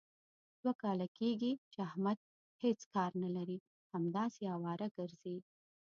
دوه کاله کېږي، چې احمد هېڅ کار نه لري. همداسې اواره ګرځي.